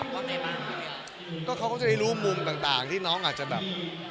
เขาก็เขาก็จะได้รู้มุมต่างที่น้องอาจจะแบบ